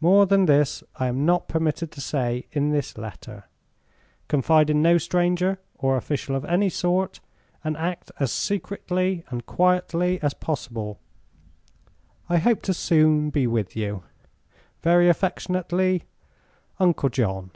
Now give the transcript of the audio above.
"More than this I am not permitted to say in this letter. Confide in no stranger, or official of any sort, and act as secretly and quietly as possible. I hope soon to be with you. "Very affectionately, UNCLE JOHN."